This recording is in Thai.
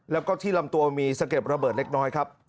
แล้วก็ที่ลำตัวมีสะเก็ดระเบิดเล็กน้อยครับ